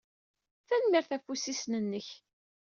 Tanemmirt ɣef wussisen-nnek.